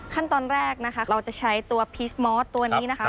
ขั้นตอนแรกนะคะเราจะใช้ตัวพีชมอสตัวนี้นะคะ